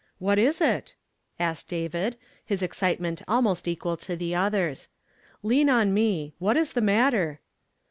" What is it ?" .isked David, his excitement almost equal to the other's. " Lean on me. What is the matter?"